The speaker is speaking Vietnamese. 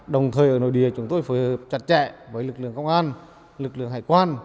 đồng thời ở nội địa chúng tôi phối hợp chặt chẽ với lực lượng công an lực lượng hải quan